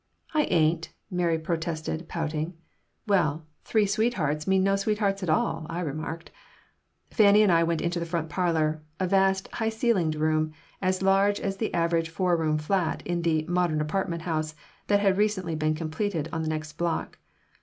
"I ain't," Mary protested, pouting. "Well, three sweethearts means no sweetheart at all," I remarked Fanny and I went into the front parlor, a vast, high ceiled room, as large as the average four room flat in the "modern apartment house" that had recently been completed on the next block.